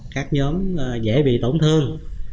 các nhóm dễ bị tổn thương